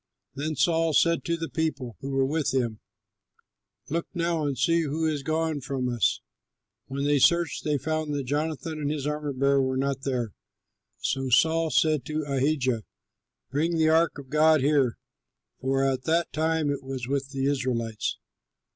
Then Saul said to the people who were with him, "Look now and see who is gone from us." When they searched they found that Jonathan and his armor bearer were not there. So Saul said to Ahijah, "Bring the ark of God here," for at that time it was with the Israelites.